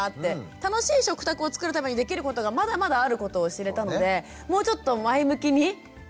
楽しい食卓をつくるためにできることがまだまだあることを知れたのでもうちょっと前向きにいこうかなと。